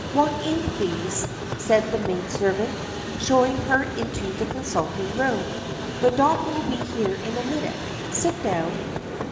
... "Walk in, please," said a maidservant, showing her into the consulting room. "The doctor will be here in a minute. Sit down."